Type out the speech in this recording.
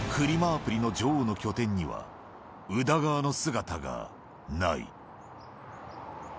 アプリの女王の拠点には、宇田川の姿がない。